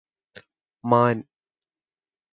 മാൻ